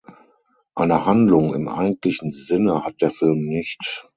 Eine Handlung im eigentlichen Sinne hat der Film nicht.